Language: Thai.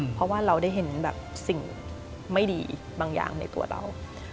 เพราะว่าเราได้เห็นแบบสิ่งไม่ดีบางอย่างในตัวเรา